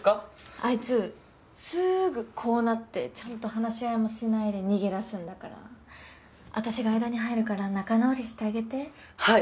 あいつすぐこうなってちゃんと話し合いもしないで逃げ出すんだから私が間に入るから仲直りしてあげてはい！